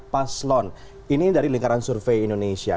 paslon ini dari lingkaran survei indonesia